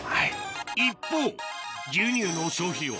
一方牛乳の消費量